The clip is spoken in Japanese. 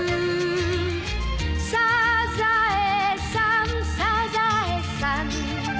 「サザエさんサザエさん」